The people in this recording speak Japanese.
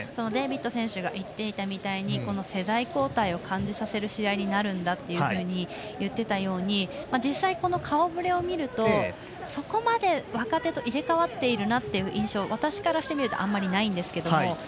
デイビッド選手が言っていたみたいに世代交代を感じさせる試合になるんだと言っていたように実際にこの顔ぶれを見るとそこまで若手と入れ替わっているなという印象は私からしてみるとあまりないんですが。